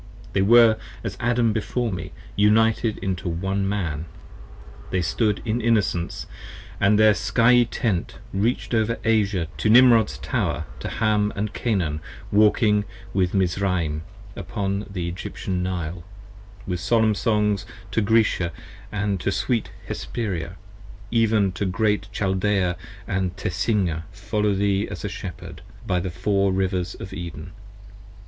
They were as Adam before me: united into One Man, They stood in innocence & their skiey tent reach'd over Asia To Nimrod's Tower, to Ham & Canaan walking with Mizraim Upon the Egyptian Nile, with solemn songs to Grecia 20 And sweet Hesperia, even to Great Chaldea & Tesshina, Following thee as a Shepherd by the Four Rivers of Eden.